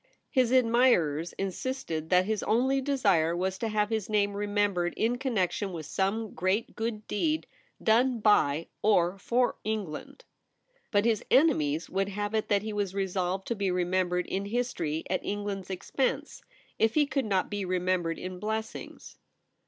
His admirers insisted that his only desire was to have his name remembered in connection with some great good deed done by or for England. But his enemies would have it that he was resolved to be remembered in history at Eng land's expense, if he could not be remembered in blessings.